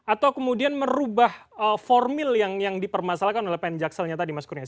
atau kemudian merubah formil yang dipermasalahkan oleh pn jakselnya tadi mas kurnia